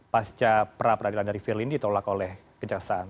pasca pra peradilan dari firli ditolak oleh kejaksaan